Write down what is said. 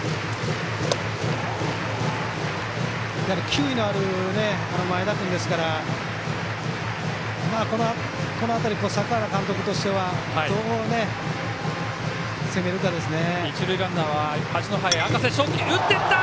球威のある前田君ですからこの辺り、坂原監督としてはどう攻めるかですね。